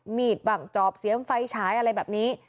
มีดบ้างจอบเสียมไฟฉายอะไรแบบนี้